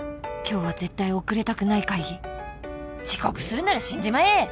今日は絶対遅れたくない会議遅刻するなら死んじまえ！